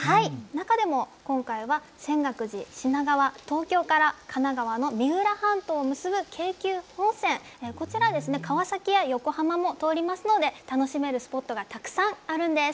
中でも今回は泉岳寺から品川と東京から神奈川の三浦半島を結ぶ京急本線、こちら川崎や横浜も通りますので楽しめるスポットがたくさんあるんです。